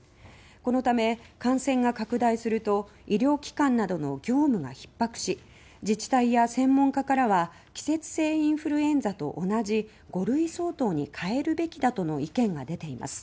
このため感染が拡大すると医療機関などの業務がひっ迫し自治体や専門家からは季節性インフルエンザと同じ５類相当に変えるべきだとの意見が出ています。